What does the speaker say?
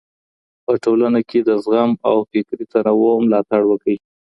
په ټولنه کي د زغم او فکري تنوع ملاتړ وکړئ.